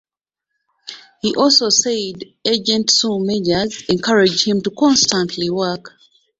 He also said agent Sue Mengers encouraged him to constantly work.